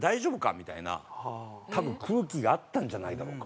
みたいな多分空気があったんじゃないかとか。